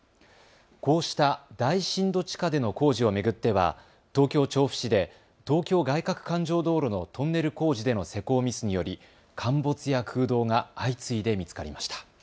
こうした大深度地下での工事を巡っては東京調布市で東京外かく環状道路のトンネル工事での施工ミスにより陥没や空洞が相次いで見つかりました。